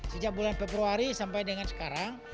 sejak bulan februari sampai dengan sekarang